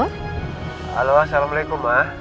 halo assalamualaikum ma